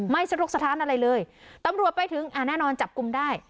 ไม่สะทกสถานสำหรับอะไรเลยตำรัวไปถึงอ่าแน่นอนจับกรุมได้